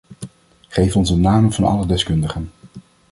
Geef ons de namen van alle deskundigen.